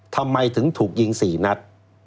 ทำไมถึงถูกยิง๔นัด